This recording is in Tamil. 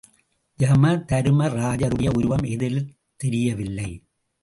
யமதருமராஜருடைய உருவம் எதிரில் தெரியவில்லை.